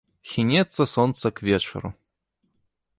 Хінецца сонца к вечару.